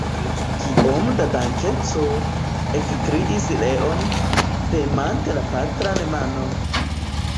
Kiom da dankeco! ekkriis Leo, premante la patran manon.